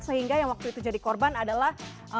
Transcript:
sehingga yang waktu itu jadi korban adalah